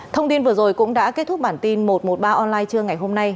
thông tin vừa rồi cũng đã kết thúc bản tin một trăm một mươi ba online trưa ngày hôm nay